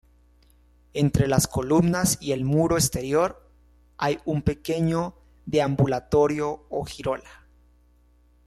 Entre las columnas y el muro exterior hay un pequeño deambulatorio o girola.